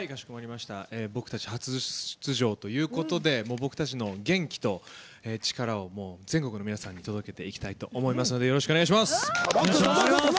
僕たち初出場ということで僕たちの元気と力を全国の皆さんに届けていきたいと思いますのでよろしくお願いします。